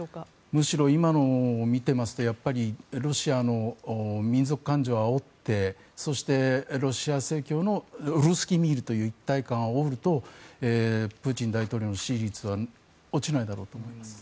むしろ今のを見てますとロシアの民族感情をあおってそして、ロシア正教のルースキー・ミールという一体感をあおるとプーチン大統領の支持率は落ちないだろうと思います。